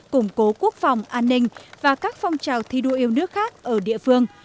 củng cố quốc phòng an ninh và các phong trào thi đua yêu nước khác ở địa phương